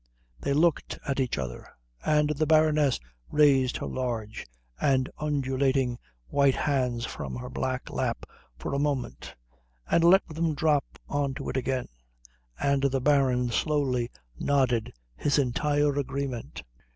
They looked at each other; and the Baroness raised her large and undulating white hands from her black lap for a moment and let them drop on to it again, and the Baron slowly nodded his entire agreement.